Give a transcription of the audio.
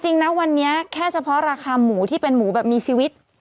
จริงนะวันนี้แค่เฉพาะราคาหมูที่เป็นหมูแบบมีชีวิต